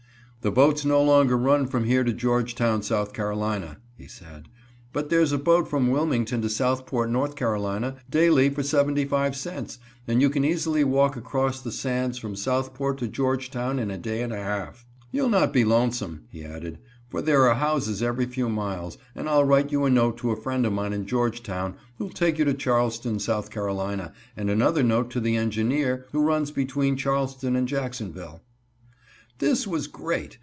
"The boats no longer run from here to Georgetown, S. C.," he said, "but there's a boat from Wilmington to Southport, N. C., daily for seventy five cents, and you can easily walk across the sands from Southport to Georgetown in a day and a half. You'll not be lonesome," he added, "for there are houses every few miles, and I'll write you a note to a friend of mine in Georgetown, who'll take you to Charleston, S. C., and another note to the engineer who runs between Charleston and Jacksonville." This was great!